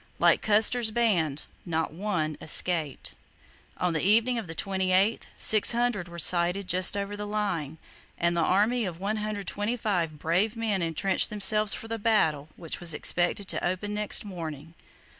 Like Custer's band, not one escaped. On the evening of the 28th, 600 were sighted just over the line, and the army of 125 brave men entrenched themselves for the battle which was expected to open next morning.